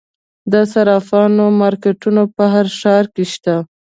د صرافانو مارکیټونه په هر ښار کې شته